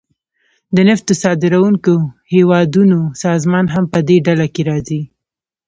د نفتو صادرونکو هیوادونو سازمان هم پدې ډله کې راځي